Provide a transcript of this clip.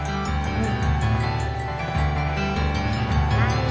うん。